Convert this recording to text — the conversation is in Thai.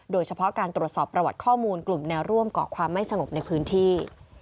โดยเฉพาะการตรวจสอบประวัติข้อมูลกลุ่มแนวร่วมเกาะความไม่สงบในพื้นที่